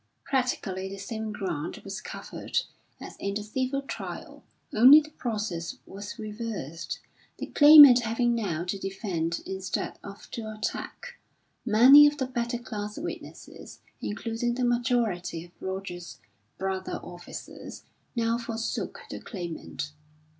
Practically the same ground was covered as in the civil trial, only the process was reversed: the Claimant having now to defend instead of to attack. Many of the better class witnesses, including the majority of Roger's brother officers, now forsook the Claimant.